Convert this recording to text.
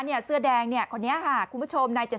เนี้ยเสื้อแดงเนี่ยพอเนี่ยค่ะคุณผู้ชมในเจษฎาร์เนี่ย